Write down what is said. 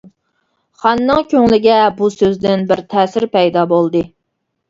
خاننىڭ كۆڭلىگە بۇ سۆزدىن بىر تەسىر پەيدا بولدى.